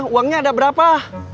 uangnya ada berapa